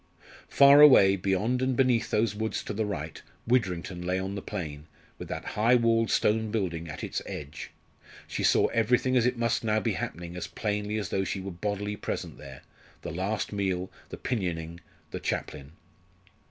Far away, beyond and beneath those woods to the right, Widrington lay on the plain, with that high walled stone building at its edge. She saw everything as it must now be happening as plainly as though she were bodily present there the last meal the pinioning the chaplain.